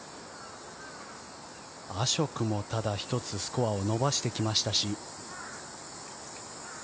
アショクもただ、１つスコアを伸ばしてきましたし。